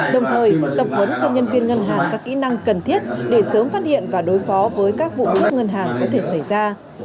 đồng thời tập huấn cho nhân viên ngân hàng các kỹ năng cần thiết để sớm phát hiện và đối phó với các vụ cướp ngân hàng có thể xảy ra